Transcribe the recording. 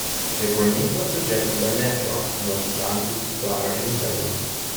The granite was rejected by Metro and was returned to the supplier in Italy.